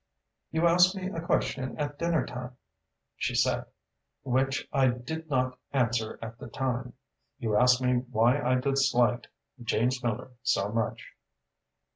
"You asked me a question at dinner time," she said, "winch I did not answer at the time. You asked me why I disliked James Miller so much."